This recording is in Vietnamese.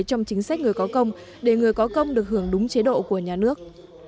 trong chính sách người có công để người có công được hưởng đúng chế độ của nhà nước